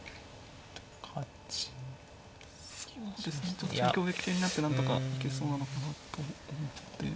ちょっと挟撃形になってなんとか行けそうなのかなと思って。